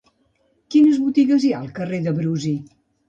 Quines botigues hi ha al carrer de Brusi?